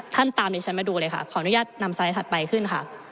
ตามดิฉันมาดูเลยค่ะขออนุญาตนำสไลด์ถัดไปขึ้นค่ะ